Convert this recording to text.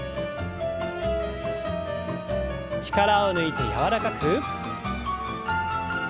力を抜いて柔らかく。